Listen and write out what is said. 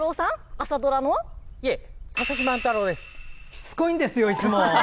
しつこいんですよいつも！